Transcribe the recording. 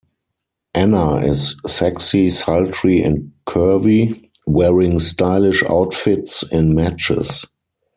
Anna is sexy, sultry and curvy, wearing stylish outfits in matches.